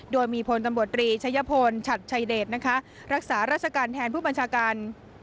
โดยมีพลตำรวจรีชัยพลฉัดชัยเดชนะคะรักษาราชการแทนผู้บัญชาการ